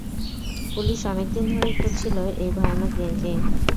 Police অনেক দিন ধরেই খুঁজছিলো এই ভয়ানক গ্যাং কে।